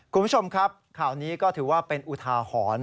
คุณผู้ชมครับข่าวนี้ก็ถือว่าเป็นอุทาหรณ์